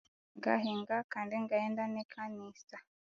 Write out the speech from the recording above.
Ngahinga Kandi ngaghenda ne kanisa